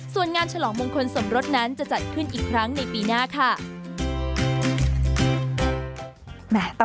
ส่วนงานฉลองมงคลสมรสนั้นจะจัดขึ้นอีกครั้งในปีหน้าค่ะ